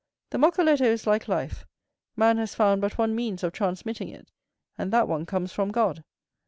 The moccoletto is like life: man has found but one means of transmitting it, and that one comes from God.